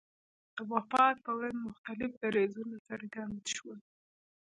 د وفات په ورځ مختلف دریځونه څرګند شول.